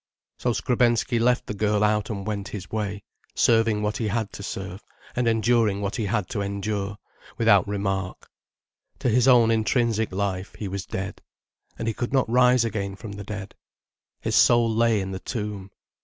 So Skrebensky left the girl out and went his way, serving what he had to serve, and enduring what he had to endure, without remark. To his own intrinsic life, he was dead. And he could not rise again from the dead. His soul lay in the tomb.